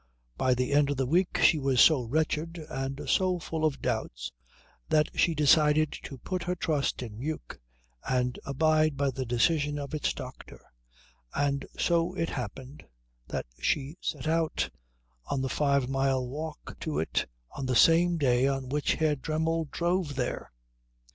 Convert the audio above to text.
By the end of the week she was so wretched and so full of doubts that she decided to put her trust in Meuk and abide by the decision of its doctor; and so it happened that she set out on the five mile walk to it on the same day on which Herr Dremmel drove there.